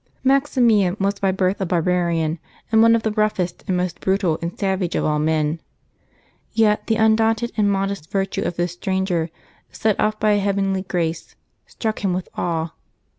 Maximian was by birth a barbarian, and one of the roughest and most brutal and savage of all men. Yet the undaunted and modest virtue of this stranger, set off by a heavenly grace, struck him with awe.